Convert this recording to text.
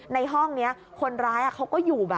ในห้องนี้คนร้ายก็ไปอยู่